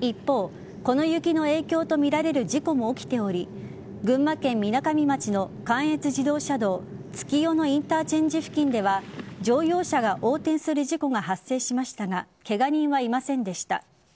一方、この雪の影響とみられる事故も起きており群馬県みなかみ町の関越自動車道月夜野インターチェンジ付近では乗用車が横転する事故が発生しましたがケガ人はいませんでした。